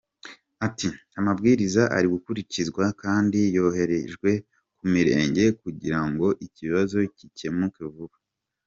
Ati“Amabwiriza ari gukurikizwa kandi yoherejwe ku mirenge kugira ngo ikibazo gikemuke vuba.